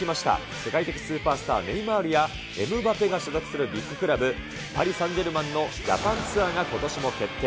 世界的スーパースター、ネイマールやエムバペが所属するビッグクラブ、パリサンジェルマンのジャパンツアーがことしも決定。